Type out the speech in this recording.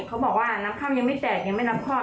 เขาบอกว่าน้ำค่ำยังไม่แตกยังไม่น้ำคลอด